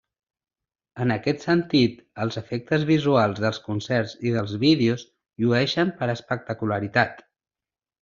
En aquest sentit, els efectes visuals dels concerts i dels vídeos llueixen per espectacularitat.